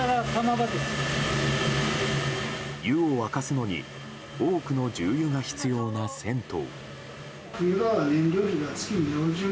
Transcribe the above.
湯を沸かすのに多くの重油が必要な銭湯。